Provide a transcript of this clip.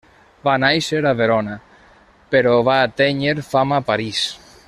Va nàixer a Verona, però va atènyer fama a París.